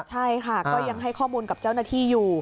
ใช่ค่ะก็ยังให้ข้อมูลกับเจ้าหน้าที่อยู่